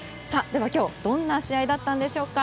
今日はどんな試合だったのでしょうか。